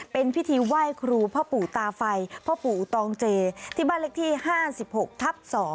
เป็นพิธีไหว้ครูพ่อปู่ตาไฟพ่อปู่ตองเจที่บ้านเลขที่๕๖ทับ๒